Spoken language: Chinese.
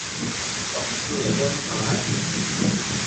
本次征才